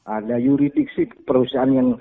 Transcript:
ada yuridik sih perusahaan yang